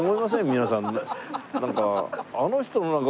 皆さん。